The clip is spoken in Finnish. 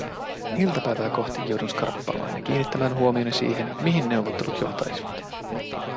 Iltapäivää kohti joudun skarppaamaan ja kiinnittämään huomioni siihen, mihin neuvottelut johtaisivat.